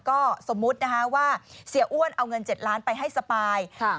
ก็สมมุติว่าเสียอ้วนเอาเงิน๗ล้านไปให้สปาย